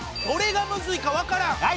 どれがむずいかわからん！